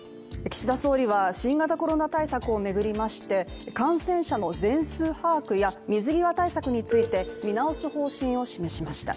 岸田総理は新型コロナ対策を巡りまして、感染者の全数把握や水際対策について見直す方針を示しました。